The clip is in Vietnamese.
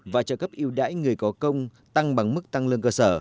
và trợ cấp yêu đãi người có công tăng bằng mức tăng lương cơ sở